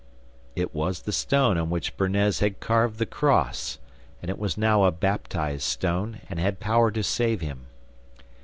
It was the stone on which Bernez had carved the cross, and it was now a baptized stone, and had power to save him.